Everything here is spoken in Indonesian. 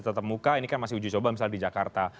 tetap muka ini kan masih uji coba misalnya di jakarta